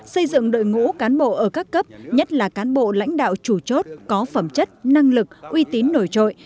xây dựng đội ngũ cán bộ ở các cấp nhất là cán bộ lãnh đạo chủ chốt có phẩm chất năng lực uy tín nổi trội